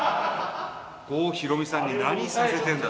郷ひろみさんに何させてんだって。